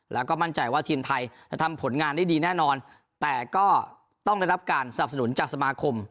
แล้วก็มั่นใจว่าทีมไทยจะทำผลงานได้ดีแน่นอนแต่ก็ต้องได้รับการสนับสนุนจากสมาคม